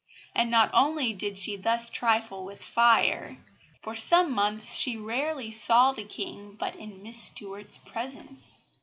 And not only did she thus trifle with fire; for some months she rarely saw the King but in Miss Stuart's presence.